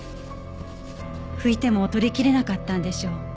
拭いても取り切れなかったんでしょう。